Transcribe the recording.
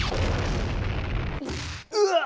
うわっ！